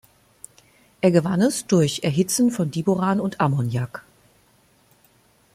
Er gewann es durch Erhitzen von Diboran und Ammoniak.